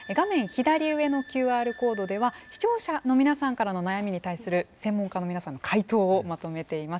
左上のＱＲコードでは視聴者の皆さんからの悩みに対する専門家の皆さんの回答をまとめています。